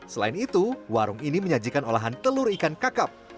selain itu warung ini menyajikan olahan telur ikan kakap